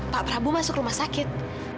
pak prabowo masuk rumah sakit